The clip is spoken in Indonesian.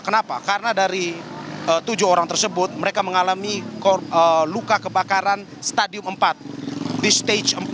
kenapa karena dari tujuh orang tersebut mereka mengalami luka kebakaran stadium empat di stage empat